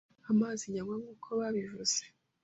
amazi nyanywa nkuko babivuze